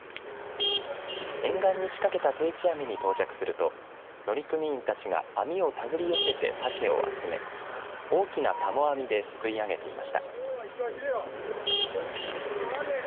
沿岸に仕掛けた定置網に到着すると乗組員たちが網をたぐり寄せてさけを集め大きなたも網ですくい上げていました。